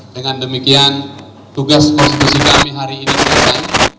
dengan demikian tugas konstitusi kami hari ini selesai